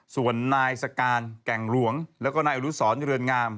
ส่วนนายสการแก่งหลวงแล้วก็นายอนุสรเรือนงาม